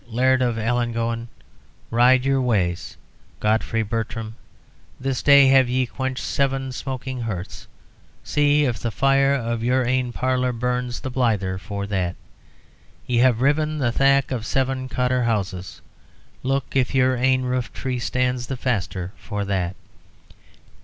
Laird of Ellangowan; ride your ways, Godfrey Bertram this day have ye quenched seven smoking hearths. See if the fire in your ain parlour burns the blyther for that. Ye have riven the thack of seven cottar houses. Look if your ain roof tree stands the faster for that.